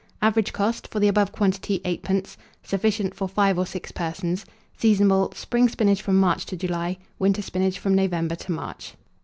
Average cost for the above quantity, 8d. Sufficient for 5 or 6 persons. Seasonable. Spring spinach from March to July; winter spinach from November to March.